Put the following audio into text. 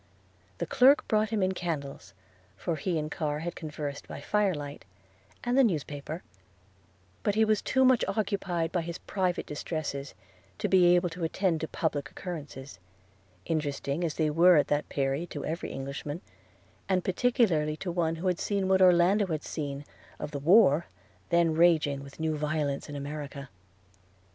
The clerk brought him in candles (for he and Carr had conversed by fire light) and the newspaper; but he was too much occupied by his private distresses to be able to attend to public occurrences, interesting as they were at that period to every Englishman, and particularly to one who had seen what Orlando had seen, of the war then raging with new violence in America.